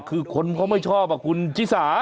คือคนเขาไม่ชอบคุณชิสา